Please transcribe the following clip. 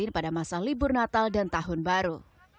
pada masa libur natal dan tahun baru